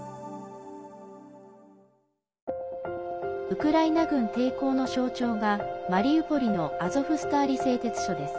ウクライナ軍抵抗の象徴がマリウポリのアゾフスターリ製鉄所です。